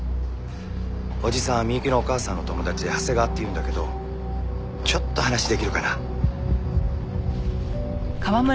おじさん美雪のお母さんの友達で長谷川っていうんだけどちょっと話出来るかな？